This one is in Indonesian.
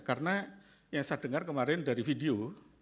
karena yang saya dengar kemarin dari video